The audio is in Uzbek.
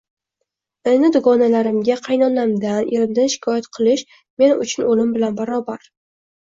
Endi dugonalarimga qaynonamdan, erimdan shikoyat qilish men uchun o`lim bilan barobar